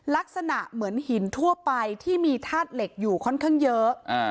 ลักษณะเหมือนหินทั่วไปที่มีธาตุเหล็กอยู่ค่อนข้างเยอะ